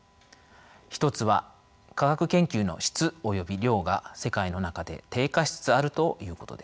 一つは科学研究の質及び量が世界の中で低下しつつあるということです。